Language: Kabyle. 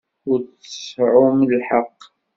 Ur tseɛɛumt lḥeqq.